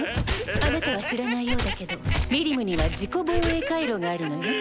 あなたは知らないようだけどミリムには自己防衛回路があるのよえぇ？